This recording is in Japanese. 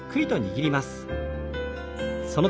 はい。